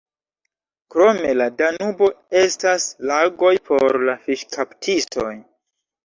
Krom la Danubo estas lagoj por la fiŝkaptistoj.